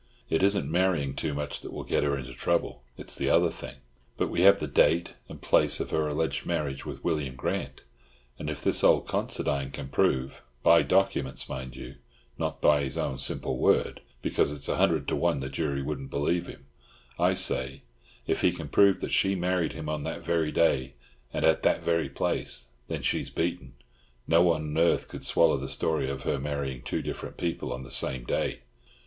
It isn't marrying too much that will get her into trouble—it's the other thing. But we have the date and place of her alleged marriage with William Grant; and if this old Considine can prove, by documents, mind you, not by his own simple word—because it's a hundred to one the jury wouldn't believe him—I say, if he can prove that she married him on that very day and at that very place, then she's beaten. No one on earth could swallow the story of her marrying two different people on the same day."